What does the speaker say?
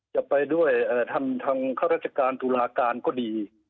จะไปด้วยทางข้าราชการตุลาการก็ดี